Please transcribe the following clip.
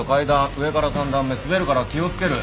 上から３段目滑るから気を付ける。